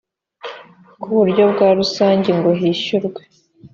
ku buryo bwa rusange ngo yishyurwe